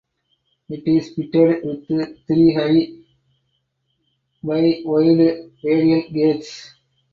It is fitted with three high by wide radial gates.